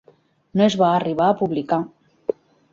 No es va arribar a publicar.